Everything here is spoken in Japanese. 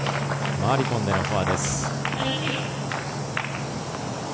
回り込んでのフォアです。